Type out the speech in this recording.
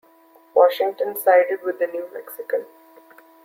Washington sided with the New Mexican.